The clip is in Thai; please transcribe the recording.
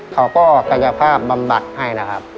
เขาก็กายภาพบำบัดให้นะครับ